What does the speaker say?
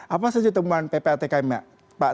apa saja temuan ppatkm ya pak